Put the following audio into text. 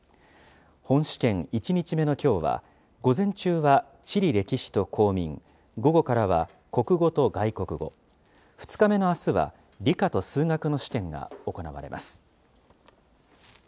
本試験１日目のきょうは、午前中は地理歴史と公民、午後からは国語と外国語、２日目のあすは、理科と数学の試験が行われます。